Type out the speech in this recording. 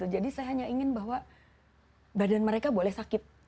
jadi saya hanya ingin bahwa badan mereka boleh sakit